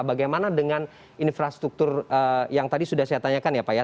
bagaimana dengan infrastruktur yang tadi sudah saya tanyakan ya pak ya